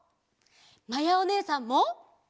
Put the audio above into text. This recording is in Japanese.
まやおねえさんも！